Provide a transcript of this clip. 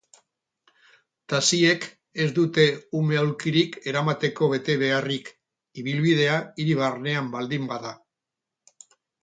Taxiek ez dute ume-aulkirik eramateko betebeharrik, ibilbidea hiri barnean baldin bada.